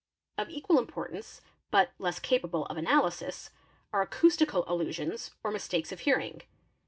Of equal importance, but less capable of analysis, are acoustical illusions or mistakes of hearing.